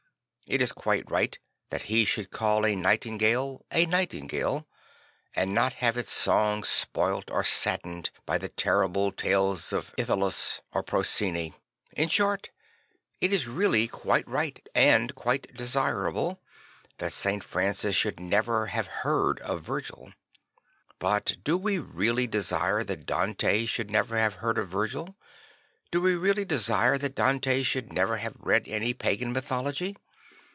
It is quite right that he should call a nightingale a nightingale, and not have its song spoilt or saddened by the terrible tales of Itylus JrI 17 8 St. Francis of A ssisi or Procne. In short, it is really quite right and quite desirable that St Francis should never have heard of Virgil. But do we really desire that Dante should never have heard of Virgil? Do we really desire that Dante should never have read any pagan mythology?